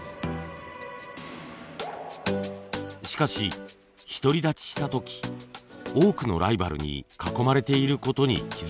しかし独り立ちした時多くのライバルに囲まれていることに気付きます。